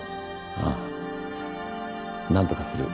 ああ何とかする。